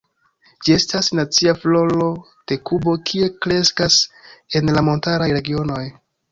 Ĝi estas nacia floro de Kubo, kie kreskas en la montaraj regionoj.